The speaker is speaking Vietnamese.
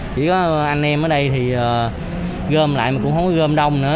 chỉ có anh em ở đây thì gom lại mà cũng không gom đông nữa